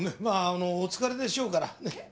まあお疲れでしょうからね。